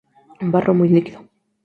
Barro muy líquido.